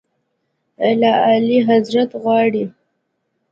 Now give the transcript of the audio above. له اعلیحضرت غواړي.